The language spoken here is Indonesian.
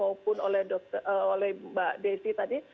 maupun oleh mbak desi tadi